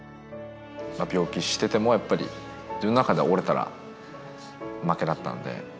病気しててもやっぱり、自分の中では折れたら負けだったんで。